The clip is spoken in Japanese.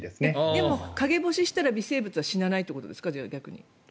でも陰干ししたら微生物は死なないということですか？